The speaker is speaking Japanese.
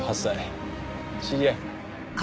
知り合い？